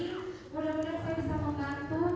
mudah mudahan saya bisa membantu